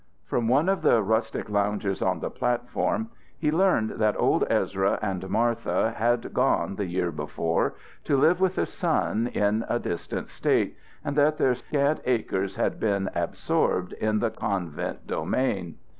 From one of the rustic loungers on the platform he learned that old Ezra and Martha had gone the year before to live with a son in a distant State, and that their scant acres had been absorbed in the convent domain.